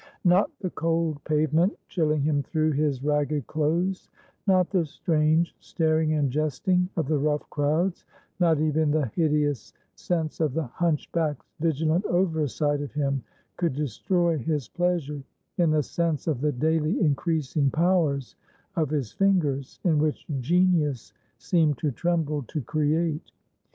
Not the cold pavement chilling him through his ragged clothes, not the strange staring and jesting of the rough crowds, not even the hideous sense of the hunchback's vigilant oversight of him, could destroy his pleasure in the sense of the daily increasing powers of his fingers, in which genius seemed to tremble to create.